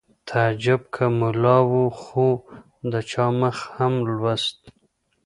تعجب که ملا و خو د چا مخ هم لوست